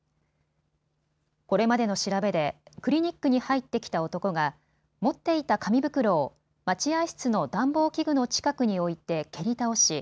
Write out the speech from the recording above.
これまでの調べでクリニックに入ってきた男が持っていた紙袋を待合室の暖房器具の近くに置いて蹴り倒し